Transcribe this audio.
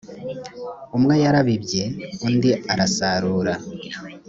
umwe yarabibye undi arasarura.